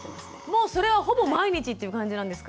もうそれはほぼ毎日っていう感じなんですか？